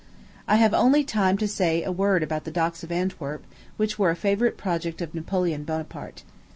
I have only time left to say a word about the docks of Antwerp, which were a favorite project of Napoleon Bonaparte.